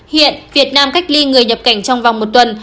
hiện việt nam cách ly người nhập cảnh trong vòng một tuần